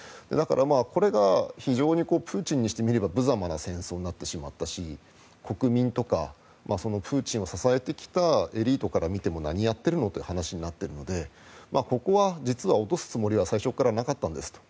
だから、これが非常にプーチンにしてみれば無様な戦争になってしまったし国民とかプーチンを支えてきたエリートから見ても何をやっているのという話になっているので実はここは最初からなかったんです